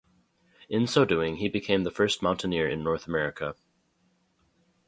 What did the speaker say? In so doing, he became the first mountaineer in North America.